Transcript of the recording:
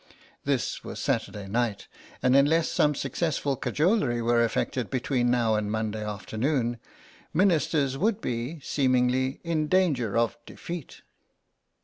This was Saturday night, and unless some successful cajolery were effected between now and Monday afternoon, Ministers would be, seemingly, in danger of defeat.